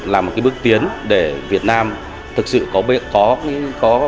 là một bước tiến để việt nam thực sự có thể tạo ra một bước tiến